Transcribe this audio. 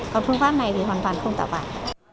còn phương pháp này thì hoàn toàn không tạo bản